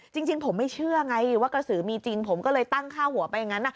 จริงผมไม่เชื่อไงว่ากระสือมีจริงผมก็เลยตั้งค่าหัวไปอย่างนั้น